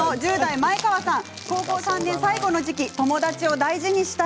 高校３年最後の時期友達を大事にしたい。